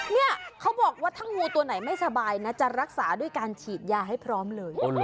เนี่ยเขาบอกว่าถ้างูตัวไหนไม่สบายนะจะรักษาด้วยการฉีดยาให้พร้อมเลย